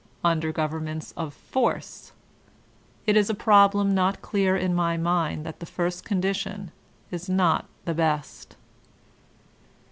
Under gov ernments of force. It is a problem not clear in my mind that the first condition is not the best.